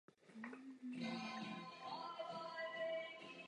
Občas se ale přes média vyjadřuje k aktuální politické situaci v Gruzii.